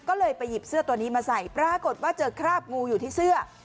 ก็เลยไปหยิบเสื้อตัวนี้มาใส่ปรากฏว่าเจอคราบงูอยู่ที่เสื้อ